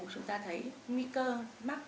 chúng ta thấy nguy cơ mắc